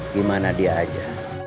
gimana dia aja